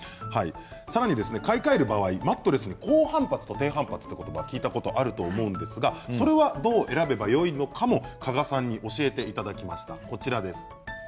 さらに買い替える場合マットレス高反発と低反発という言葉を聞いたことがあると思うんですがどう選べばいいのかも加賀さんに教えてもらいました。